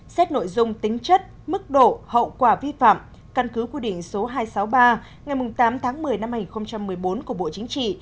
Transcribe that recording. xét nội dung tính chất mức độ hậu quả vi phạm căn cứ quy định số hai trăm sáu mươi ba ngày tám tháng một mươi năm hai nghìn một mươi bốn của bộ chính trị